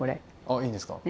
あいいんですか？